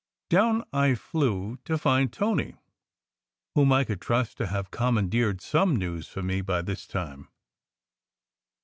Down I flew to find Tony, whom I could trust to have commandeered some news for me by this time.